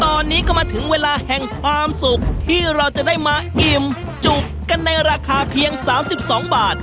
ตอนนี้ก็มาถึงเวลาแห่งความสุขที่เราจะได้มาอิ่มจุกกันในราคาเพียง๓๒บาท